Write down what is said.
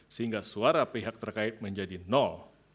sehingga suara pihak terkait menjadi nol